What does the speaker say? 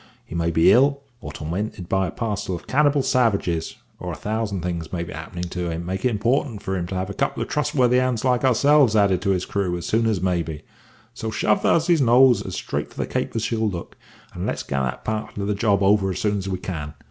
He may be ill, or tormented by a parcel of cannibal savages, or a thousand things may be happening to him to make it important for him to have a couple of trustworthy hands like ourselves added to his crew as soon as may be. So shove the huzzey's nose as straight for the Cape as she'll look, and let's get that part of the job over as soon as we can.